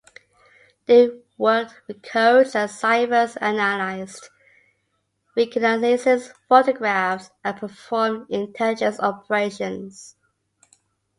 They worked with codes and ciphers, analysed reconnaissance photographs, and performed intelligence operations.